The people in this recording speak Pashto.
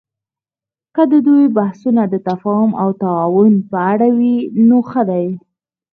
که د دوی بحثونه د تفاهم او تعاون په اړه وي، نو ښه دي